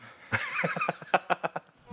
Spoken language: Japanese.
ハハハハッ。